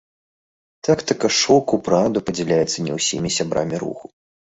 Тактыка шоку, праўда, падзяляецца не ўсімі сябрамі руху.